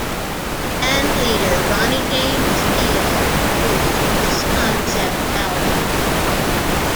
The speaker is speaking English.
Band leader Ronnie James Dio produced this concept album.